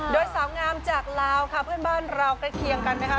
โดยสาวงามจากลาวค่ะเพื่อนบ้านเราใกล้เคียงกันนะคะ